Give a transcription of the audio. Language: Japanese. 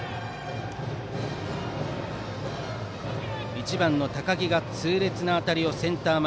１番の高木が痛烈な当たりをセンター前。